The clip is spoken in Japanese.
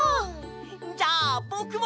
じゃあぼくも！